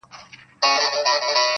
• ملاجان ته پته نه وه چي د چا سي -